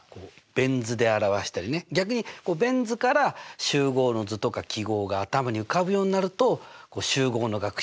逆にベン図から集合の図とか記号が頭に浮かぶようになると集合の学習もね